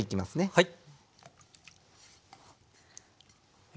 はい。